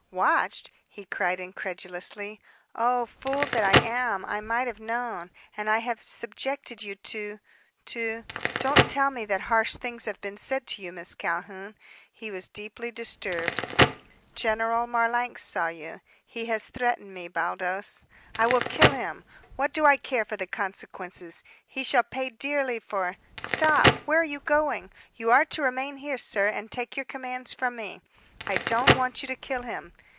"Watched?" he cried incredulously. "Oh, fool that I am! I might have known. And I have subjected you to to don't tell me that harsh things have been said to you, Miss Calhoun!" He was deeply disturbed. "General Marlanx saw you. He has threatened me, Baldos, " "I will kill him! What do I care for the consequences? He shall pay dearly for " "Stop! Where are you going? You are to remain here, sir, and take your commands from me. I don't want you to kill him.